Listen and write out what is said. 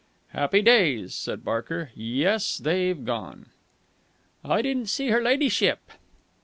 "Happy days!" said Barker. "Yes, they've gone!" "I didn't see her ladyship."